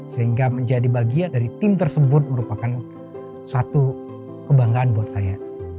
sehingga menjadi bagian dari tim tersebut merupakan satu kebanggaan buat saya